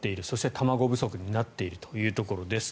卵不足になっているということです。